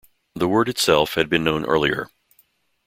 The word itself had been known earlier.